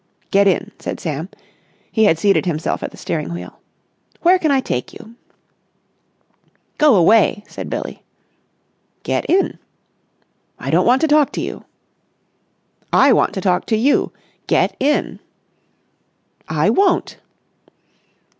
"Get in," said Sam. He had seated himself at the steering wheel. "Where can I take you?" "Go away!" said Billie. "Get in!" "I don't want to talk to you." "I want to talk to you! Get in!" "I won't."